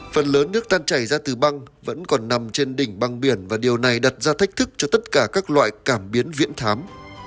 phần lớn nước tan chảy ra từ băng vẫn còn nằm trên đỉnh băng biển và điều này đặt ra thách thức cho tất cả các loại cảm biến viễn thám